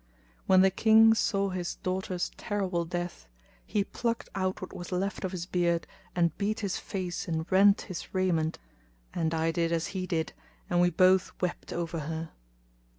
When the King saw his daughter's terrible death, he plucked out what was left of his beard and beat his face and rent his raiment; and I did as he did and we both wept over her.